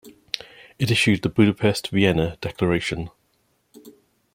It issued the Budapest-Vienna Declaration.